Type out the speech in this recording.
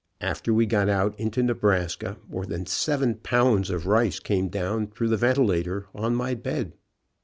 After we got out into Nebraska more than seven pounds of rice came down through the ventilator on my bed.